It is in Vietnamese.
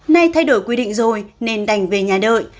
nay thay đổi quy định rồi nên đành về nhà đợi